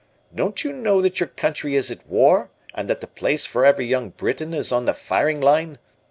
Don't you know that your country is at war and that the place for every young Briton is on the firing line?